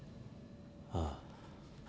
ああ。